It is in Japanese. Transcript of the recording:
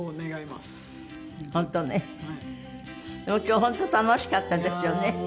でも今日本当楽しかったですよね。